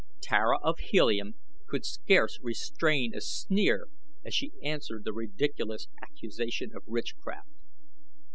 Tara of Helium could scarce restrain a sneer as she answered the ridiculous accusation of witchcraft.